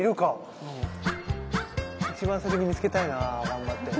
一番先に見つけたいな頑張って。